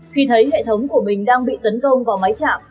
khi thấy hệ thống của mình đang bị tấn công vào máy chạm